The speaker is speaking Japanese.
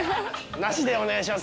なしでお願いします。